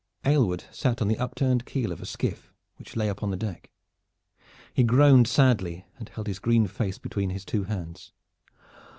Aylward sat on the upturned keel of a skiff which lay upon the deck. He groaned sadly and held his green face between his two hands.